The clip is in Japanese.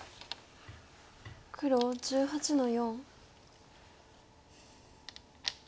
黒１８の四。